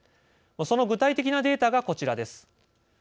その具体的なデータがこちらです。